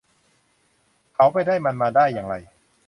เขาไปได้มันมาได้อย่างไร